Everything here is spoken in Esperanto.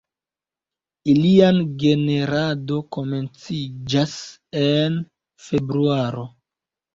Ilian generado komenciĝas en februaro.